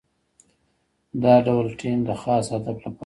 دا ډول ټیم د خاص هدف لپاره وي.